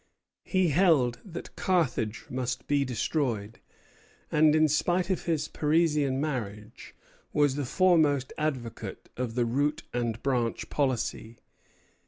He held that Carthage must be destroyed; and, in spite of his Parisian marriage, was the foremost advocate of the root and branch policy.